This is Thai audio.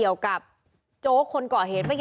พวกมันต้องกินกันพี่